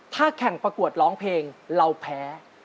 ถ้าแข่งประกวดร้องเพลงเราแพ้